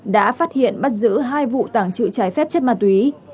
đã phát hiện bắt giữ hai vụ tảng trự trái phép chất ma túy